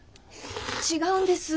違うんです